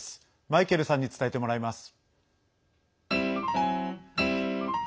マイケルさんに伝えてもらいます。